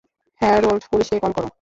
Harold, পুলিশকে call করো!